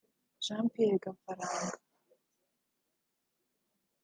Jean Pierre Gafaranga